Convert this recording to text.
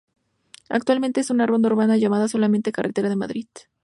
Actualmente es una ronda urbana llamada solamente Carretera de Madrid.